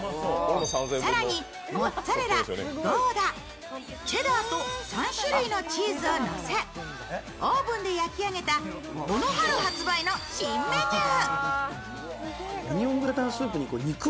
更に、モッツァレラゴーダ、チェダーと３種類のチーズをのせ、オーブンで焼き上げたこの春発売の新メニュー。